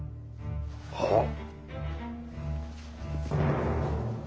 はっ。